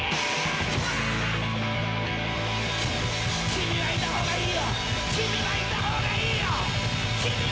君はいたほうがいいよ、君はいたほうがいいよ。